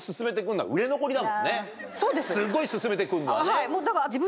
すっごい薦めてくるのはね。